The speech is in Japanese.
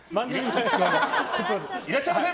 いらっしゃいませ！